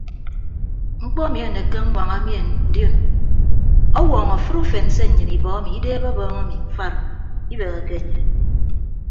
Mkpọ emi anekke aññwaña mien ndion ọwọọñọ afịt ufen se nnyịn ibọ emi ideebe ọbọọñ emi mfat o ibegheke enye.